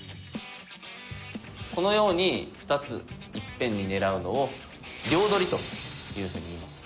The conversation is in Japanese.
このように２ついっぺんに狙うのを「両取り」というふうに言います。